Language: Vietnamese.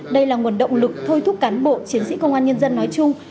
đây là nguồn động lực thôi thúc cán bộ chiến sĩ công an nhân dân nói chung